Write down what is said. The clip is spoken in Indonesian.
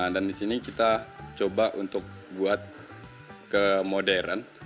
dan di sini kita coba untuk buat ke modern